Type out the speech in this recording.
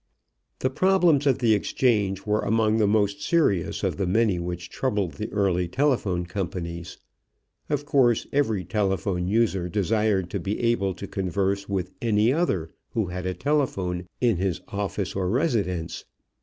The problems of the exchange were among the most serious of the many which troubled the early telephone companies. Of course every telephone user desired to be able to converse with any other who had a telephone in his office or residence.